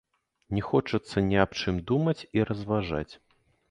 Не хочацца ні аб чым думаць і разважаць.